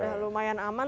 sudah lumayan aman